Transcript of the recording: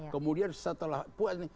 kemudian setelah puan